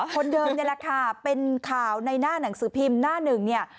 คนเดิมนี่แหละค่ะเป็นข่าวในหน้าหนังสือพิมพ์หน้าหนึ่งเนี่ย